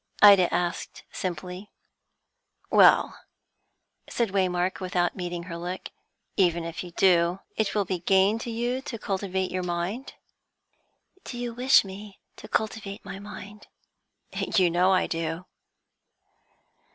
Ida asked simply. "Well," said Waymark, without meeting her look, "even if you do, it will be gain to you to cultivate your mind?" "Do you wish me to cultivate my mind?" "You know I do."